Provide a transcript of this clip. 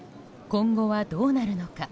今後はどうなるのか。